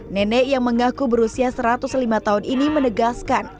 nenek yang mengaku berusia satu ratus lima tahun ini menegaskan